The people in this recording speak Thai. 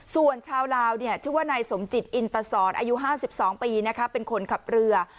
ส่วนชาวลาวชื่อว่านายสมจิตอินตสอนอายุ๕๒ปีเป็นคนขับเรือ